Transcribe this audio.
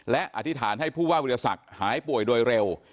และอธิษฐานให้ผู้ว่าวิทยาศักดิ์หายป่วยโดยเร็ว